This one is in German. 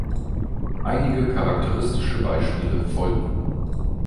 Einige charakteristische Beispiele folgen.